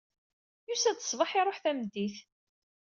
Yusa-d ṣṣbeḥ, iruḥ tameddit.